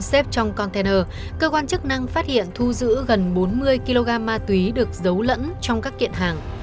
xếp trong container cơ quan chức năng phát hiện thu giữ gần bốn mươi kg ma túy được giấu lẫn trong các kiện hàng